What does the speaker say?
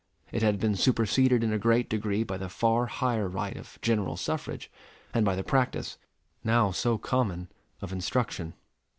It had been superseded in a great degree by the far higher right of general suffrage, and by the practice, now so common, of instruction.